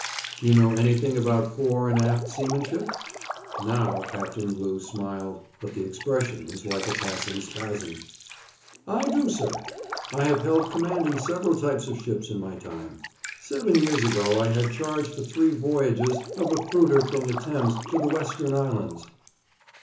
'Do you know anything about fore and aft seamanship?' Now Captain Glew smiled, but the expression was like a passing spasm. 'I do, sir. I have held command in several types of ships in my time. Seven years ago I had charge for three voyages of a fruiter from the Thames to the Western Islands.'